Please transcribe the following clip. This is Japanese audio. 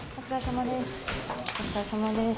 お疲れさまです。